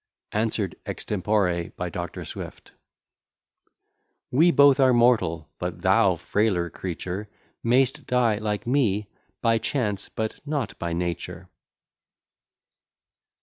ANSWERED EXTEMPORE BY DR. SWIFT We both are mortal; but thou, frailer creature, May'st die, like me, by chance, but not by nature.